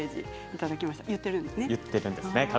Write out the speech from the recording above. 言っているんですか？